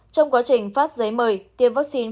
trong quá trình phát giấy mời tiêm vaccine